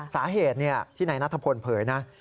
สาเหตุที่นายนัทพลเผยนะ